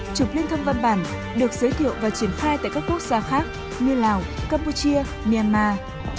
trục liên thông văn bản được giới thiệu và triển khai tại các quốc gia khác như lào campuchia myanmar